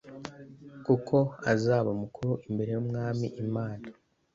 kuko azaba mukuru imbere yUmwami Imana